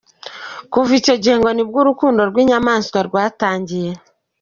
Kuva icyo gihe ngo nibwo urukundo rw’inyamaswa rwatangiye.